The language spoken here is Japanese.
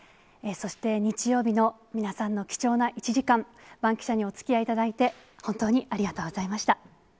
そして、日曜日の皆さんの貴重な１時間、バンキシャにおつきあいいただいて、本当にありがとうございました。